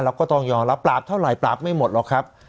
เราก็ต้องยอมรับปราบเท่าไหปราบไม่หมดหรอกครับ